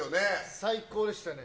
最高でしたね。